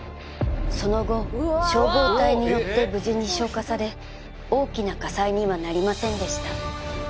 その後消防隊によって無事に消火され大きな火災にはなりませんでした